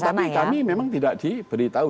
tapi kami memang tidak diberitahu